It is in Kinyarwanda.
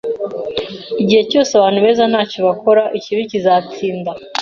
Igihe cyose abantu beza ntacyo bakora, ikibi kizatsinda.